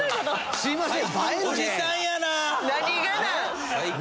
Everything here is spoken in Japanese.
すみません。